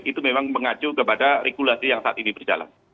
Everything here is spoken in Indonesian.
itu memang mengacu kepada regulasi yang saat ini berjalan